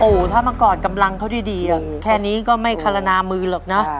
โอ้โหถ้าเมื่อก่อนกำลังเขาดีแค่นี้ก็ไม่คารณามือหรอกนะ